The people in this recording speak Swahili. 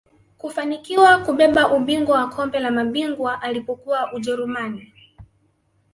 kufanikiwa kubeba ubingwa wa kombe la mabingwa alipokuwa ujerumani